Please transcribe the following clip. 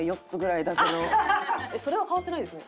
それは変わってないですね。